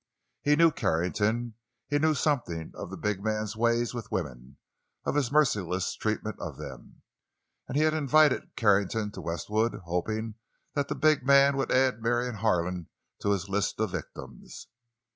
He knew Carrington; he knew something of the big man's way with women, of his merciless treatment of them. And he had invited Carrington to Westwood, hoping that the big man would add Marion Harlan to his list of victims.